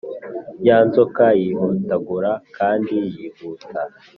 ya nzoka yihotagura kandi yihuta,